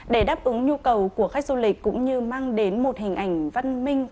để đáp ứng nhu cầu của khách du lịch cũng như mang đến một hình ảnh văn minh